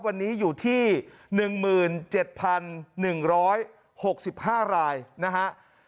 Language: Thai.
วันนี้อยู่ที่๑๗๑๖๕รายนะฮะ